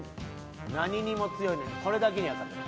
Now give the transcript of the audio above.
何にも強いのにこれだけには勝てない。